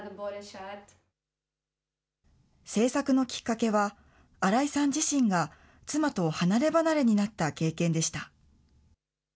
製作のきっかけは、新井さん自身が妻と離れ離れになった経験でした。